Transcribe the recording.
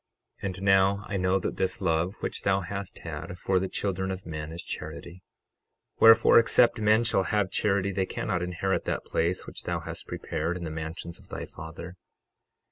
12:34 And now I know that this love which thou hast had for the children of men is charity; wherefore, except men shall have charity they cannot inherit that place which thou hast prepared in the mansions of thy Father.